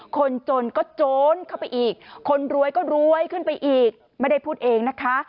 คนจนก็โจรเข้าไปอีกคนรวยก็รวยขึ้นไปอีกไม่ได้พูดเองนะคะ